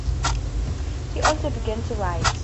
He also began to write.